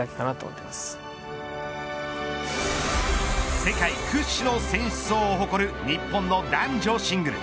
世界屈指の選手層を誇る日本の男女シングル。